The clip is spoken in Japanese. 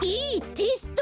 テスト？